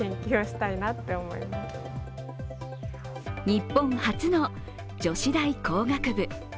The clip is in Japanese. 日本初の女子大工学部。